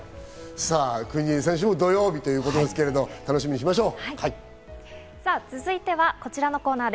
国枝選手も土曜日ということですけど楽しみにしましょう。